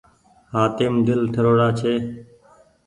هآتيم دل ٺرو ڙآ ڇي۔